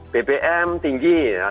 bbm tinggi ya